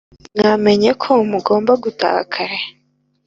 mwamenye ko mugomba gutaha kare